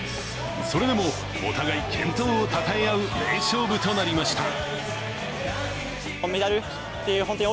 それでも、お互い健闘をたたえ合う名勝負となりました。